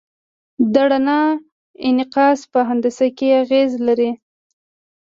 د رڼا انعکاس په هندسه اغېز لري.